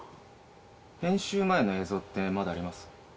編集前の映像ってまだあります？